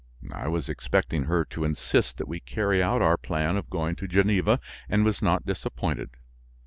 I was expecting her to insist that we carry out our plan of going to Geneva, and was not disappointed.